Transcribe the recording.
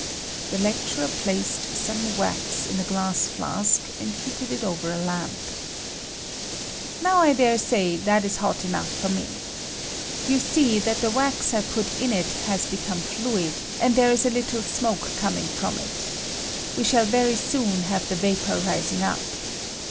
[The lecturer placed some wax in a glass ^^B fiask, and heated it over a lamp.] Now I ^^^ft dare say that is hot enough for me. You see ^^V^ that the was I put in it has become fluid, and B there is a little smoke coming &om it. We shall very soon have the vapor rising up.